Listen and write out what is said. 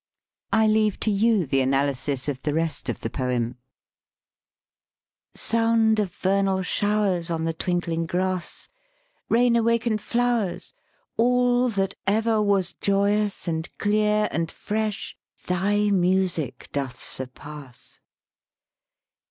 I leave to you the analysis of the rest of the poem : "Sound of vernal showers On the twinkling grass, Rain awaken 'd flowers, All that ever was Joyous, and clear, and fresh, thy music doth sur pass.